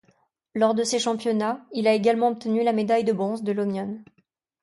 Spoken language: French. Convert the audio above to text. Lors de ces championnats, il a également obtenu la médaille de bronze de l'omnium.